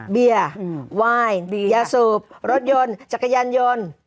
เบียร์ไวน์ยาสูบรถยนต์จักรยานยนต์